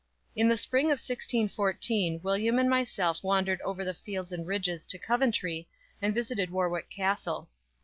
In the spring of 1614 William and myself wandered over the fields and ridges to Coventry, and visited Warwick Castle.